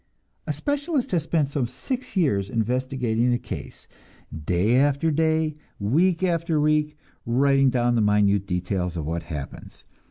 A specialist has spent some six years investigating the case, day after day, week after week, writing down the minute details of what happens.